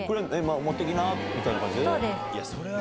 持って行きな！みたいな感じで。